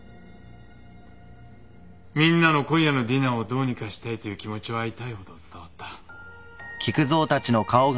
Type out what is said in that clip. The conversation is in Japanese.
みんなの今夜のディナーをどうにかしたいという気持ちは痛いほど伝わった。